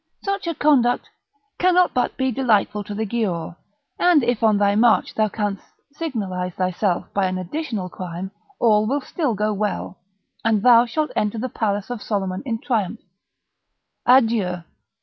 Such a conduct cannot but be delightful to the Giaour; and if on thy march thou canst signalise thyself by an additional crime, all will still go well, and thou shalt enter the palace of Soliman in triumph. Adieu!